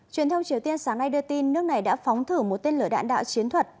truyền thông triều tiên sáng nay đưa tin nước này đã phóng thử một tên lửa đạn đạo chiến thuật